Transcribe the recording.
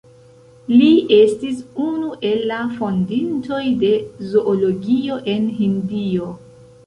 Li estis unu el la fondintoj de zoologio en Hindio.